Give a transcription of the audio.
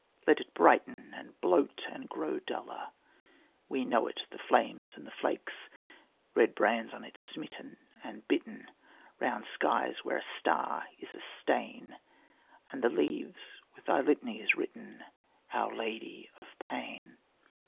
Let it brighten and bloat and grow duller, We know it, the flames and the flakes, Red brands on it smitten and bitten, Round skies where a star is a stain, And the leaves with thy litanies written, Our Lady of Pain.